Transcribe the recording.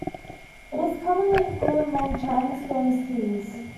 It is commonly included among China's famous teas.